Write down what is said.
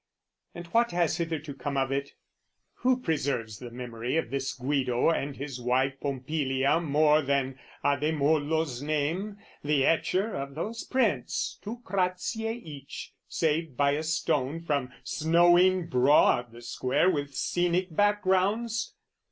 And what has hitherto come of it? Who preserves The memory of this Guido, and his wife Pompilia, more than Ademollo's name, The etcher of those prints, two crazie each, Saved by a stone from snowing broad the Square With scenic backgrounds?